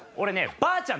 ばあちゃん